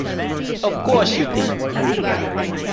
Of course you did.